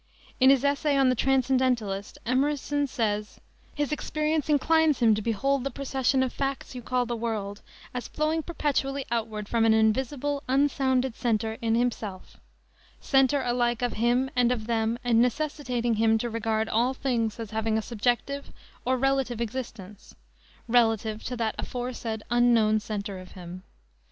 In his essay on the Transcendentalist, Emerson says: "His experience inclines him to behold the procession of facts you call the world as flowing perpetually outward from an invisible, unsounded center in himself; center alike of him and of them and necessitating him to regard all things as having a subjective or relative existence relative to that aforesaid Unknown Center of him.